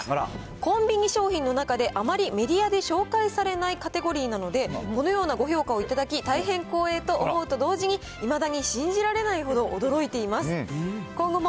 コンビニ商品の中であまりメディアで紹介されないカテゴリーなので、このようなご評価をいただき、大変光栄と思うと同時に、いまだに信じられないほど驚いています。